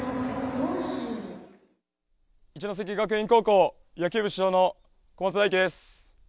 一関学院高校野球部主将の小松大樹です。